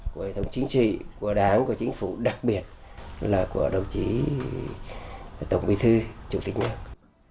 của hệ thống chính trị của đảng của chính phủ đặc biệt là của đồng chí tổng bí thư chủ tịch nước